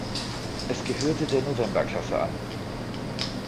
Es gehörte der November-Klasse an.